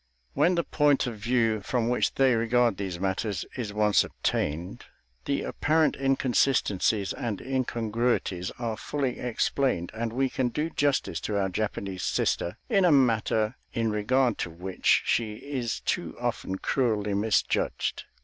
When the point of view from which they regard these matters is once obtained, the apparent inconsistencies and incongruities are fully explained, and we can do justice to our Japanese sister in a matter in regard to which she is too often cruelly misjudged.